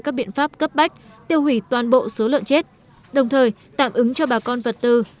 các biện pháp cấp bách tiêu hủy toàn bộ số lợn chết đồng thời tạm ứng cho bà con vật tư